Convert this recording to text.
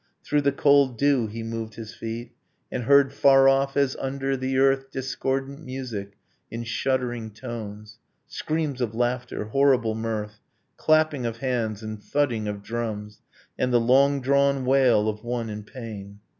Through the cold dew he moved his feet, And heard far off, as under the earth, Discordant music in shuddering tones, Screams of laughter, horrible mirth, Clapping of hands, and thudding of drums, And the long drawn wail of one in pain.